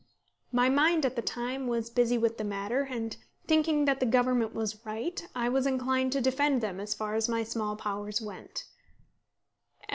My mind at the time was busy with the matter, and, thinking that the Government was right, I was inclined to defend them as far as my small powers went.